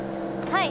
はい。